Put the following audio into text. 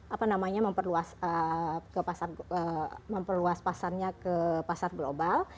apa namanya memperluas pasarnya ke pasar global